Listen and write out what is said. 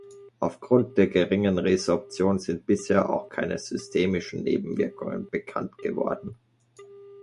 Aufgrund der geringen Resorption sind bisher auch keine systemischen Nebenwirkungen bekannt geworden.